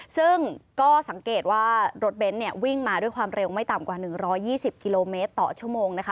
ซึ่งก็สังเกตว่ารถเบนท์เนี่ยวิ่งมาด้วยความเร็วไม่ต่ำกว่า๑๒๐กิโลเมตรต่อชั่วโมงนะคะ